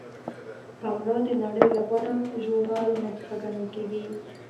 پملا د نړۍ له غوره ژورنالونو څخه ګڼل کیږي.